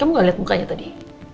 kamu gak lihat mukanya tadi